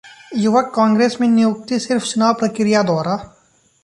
'युवक कांग्रेस में नियुक्ति सिर्फ चुनाव प्रकिया द्वारा'